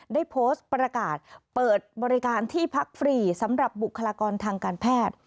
ได้โพสต์ประกาศเปิดบริการที่พักฟรีสำหรับบุคลากรทางการแพทย์